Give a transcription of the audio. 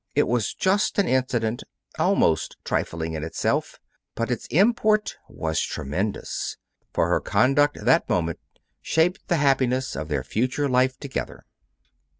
It was just an incident, almost trifling in itself. But its import was tremendous, for her conduct, that moment, shaped the happiness of their future life together.